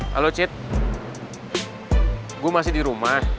halo cit gue masih di rumah